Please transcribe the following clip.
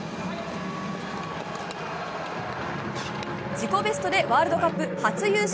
自己ベストでワールドカップ初優勝！